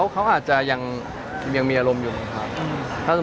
แต่ของฝั่งเขาชาวฉันก็ไม่รู้จริงหน่อยดูด้วย